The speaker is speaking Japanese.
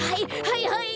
はいはい！